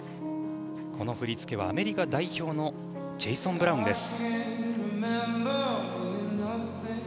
この振り付けはアメリカ代表のジェイソン・ブラウンです。